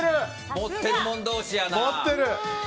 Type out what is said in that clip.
持ってるもの同士やな。